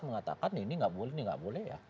mengatakan ini nggak boleh nih nggak boleh ya